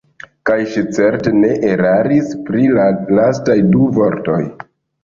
Kaj ŝi certe ne eraris pri la lastaj du vortoj.